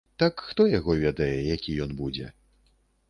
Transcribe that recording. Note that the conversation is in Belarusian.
Так хто яго ведае, які ён будзе.